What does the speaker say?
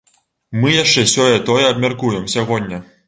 Мы яшчэ сёе-тое абмяркуем сягоння.